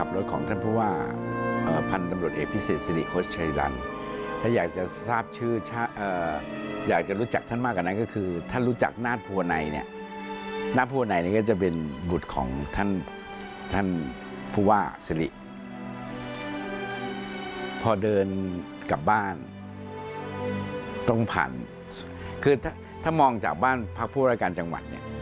ดูว่าพระมีเขาไม่เป็นที่มาจะจากบ้านพระพู่ราชการจังหวัด